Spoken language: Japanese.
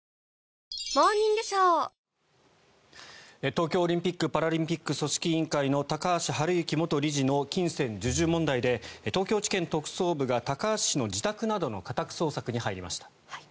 東京オリンピック・パラリンピック組織委員会の高橋治之元理事の金銭授受問題で東京地検特捜部が高橋氏の自宅などの家宅捜索に入りました。